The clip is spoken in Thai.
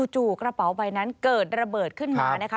จู่กระเป๋าใบนั้นเกิดระเบิดขึ้นมา